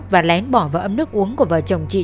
và lén bỏ vào ấm nước uống của vợ chồng chị